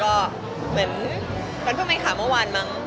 ก็เหมือนพวกมันข่าวเมื่อวานมั้ง